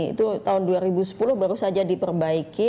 itu tahun dua ribu sepuluh baru saja diperbaiki